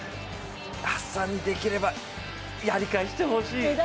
ハッサンにできれば、やり返してほしい。